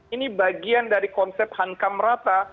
ini bagian dari konsep hankam rata